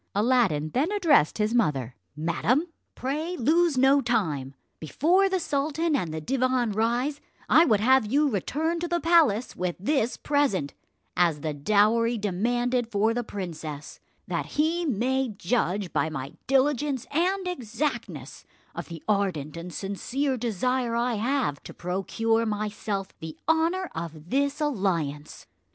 Aladdin then addressed his mother: "Madam, pray lose no time; before the sultan and the divan rise, I would have you return to the palace with this present as the dowry demanded for the princess, that he may judge by my diligence and exactness of the ardent and sincere desire I have to procure myself the honour of this alliance."